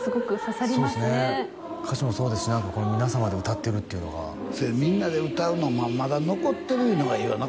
そうですね歌詞もそうですし何かこの皆様で歌ってるっていうのがみんなで歌うのがまだ残ってるいうのがええわな